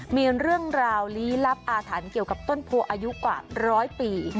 มีเรื่องราวลี้ลับอาถรรพ์เกี่ยวกับต้นโพอายุกว่าร้อยปี